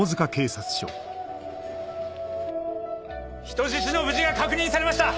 人質の無事が確認されました！